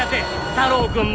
太郎くんも！